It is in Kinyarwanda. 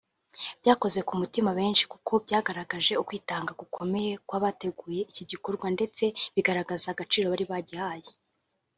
byakoze ku mitima ya benshi kuko byagaragaje ukwitanga gukomeye kw’abateguye iki gikorwa ndetse bigaragaza agaciro bari bagihaye